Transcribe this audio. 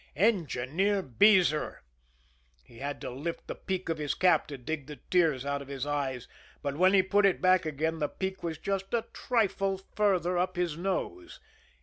Engineer Beezer! He had to lift the peak of his cap to dig the tears out of his eyes, but when he put it back again the peak was just a trifle farther up his nose.